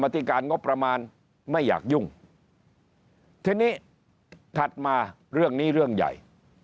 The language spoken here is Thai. ทั้งนี้ถัดมาเรื่องนี้เรื่องใหญ่